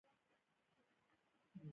د هرات په شینډنډ کې د مالګې نښې شته.